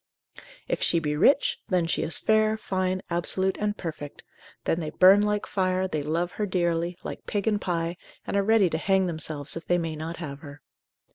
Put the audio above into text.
If she be rich, then she is fair, fine, absolute and perfect, then they burn like fire, they love her dearly, like pig and pie, and are ready to hang themselves if they may not have her.